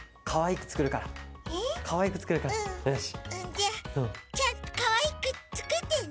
じゃあちゃんとかわいくつくってね。